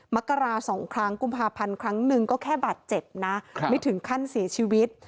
มกรา๒ครั้งกุมภาพันธ์ครั้งหนึ่งก็แค่บาดเจ็บนะไม่ถึงขั้นเสียชีวิต